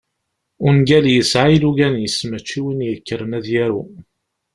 Ungal yesɛa ilugan-is, mačči win yekkren ad yaru.